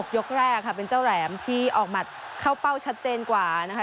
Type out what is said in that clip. ยกแรกค่ะเป็นเจ้าแหลมที่ออกหมัดเข้าเป้าชัดเจนกว่านะคะ